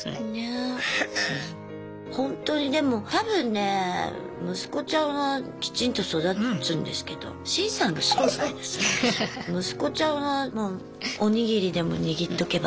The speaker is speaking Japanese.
ほんとにでも多分ね息子ちゃんはきちんと育つんですけど息子ちゃんはもうお握りでも握っとけば。